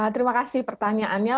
terima kasih pertanyaannya